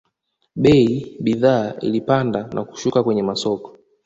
bei bidhaa ilipanda na kushuka kwenye masoko